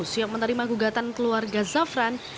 siap menerima gugatan keluarga zafran